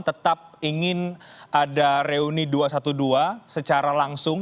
tetap ingin ada reuni dua ratus dua belas secara langsung